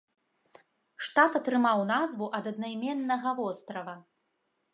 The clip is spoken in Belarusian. Штат атрымаў назву ад аднайменнага вострава.